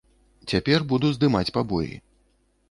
Цяпер буду здымаць пабоі.